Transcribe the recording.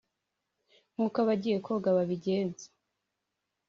nk’uko abagiye koga babigenza.